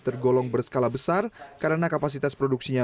tergolong berskala besar karena kapasitas produksinya